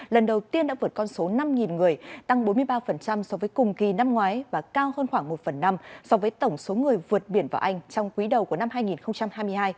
lần đầu tiên đã vượt con số năm người tăng bốn mươi ba so với cùng kỳ năm ngoái và cao hơn khoảng một phần năm so với tổng số người vượt biển vào anh trong quý đầu của năm hai nghìn hai mươi hai